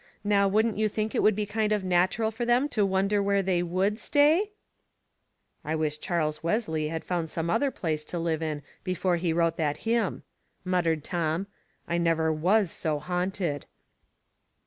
Now wouldn't you think it would be kind of natural for them to wonder where they would stay ?"" I wish Charles Wesley had found some other place to live in before he wrote that hymn," muttered Tom, "I never was so haunted."